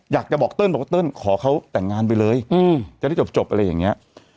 อยากจะบอกเติ้ลบอกว่าเติ้ลขอเขาแต่งงานไปเลยจะได้จบอะไรอย่างนี้